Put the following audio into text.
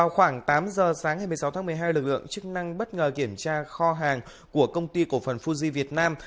khoảng tám giờ sáng ngày một mươi sáu tháng một mươi hai lực lượng chức năng bất ngờ kiểm tra kho hàng của công ty cổ phần fuji việt nam